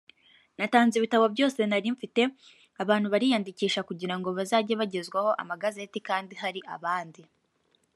natanze ibitabo byose nari m te abantu bariyandikisha kugira ngo bazajye bagezwaho amagazeti kandi hari abandi